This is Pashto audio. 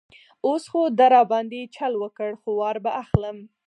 اوس خو ده را باندې چل وکړ، خو وار به اخلم.